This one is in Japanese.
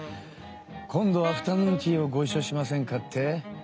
「今度アフタヌーンティーをごいっしょしませんか」って？